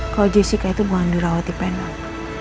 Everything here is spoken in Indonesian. kalau jessica itu gak dirawat di penang